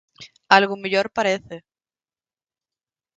Algo mellor parece.